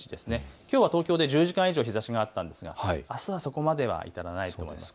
きょうは東京で１０時間以上、日ざしがあったんですがあすはそこまではないと思います。